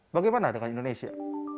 bagaimana dengan indonesia